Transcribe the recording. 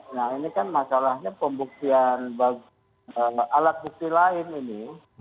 nah ini kan masalahnya pembuktian alat bukti lain ini